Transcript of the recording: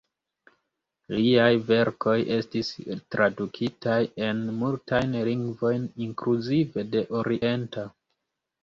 Liaj verkoj estis tradukitaj en multajn lingvojn, inkluzive de orienta.